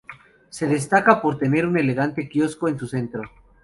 Se destaca por tener un elegante quiosco en su centro.